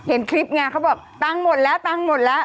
เห็นคลิปไงเขาบอกตังค์หมดแล้วตังค์หมดแล้ว